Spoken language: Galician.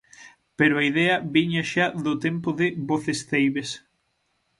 Pero a idea viña xa do tempo de Voces Ceibes.